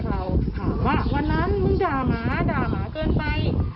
พวกเขาถามว่าวันนั้นรุงด่าหมาเกือบไป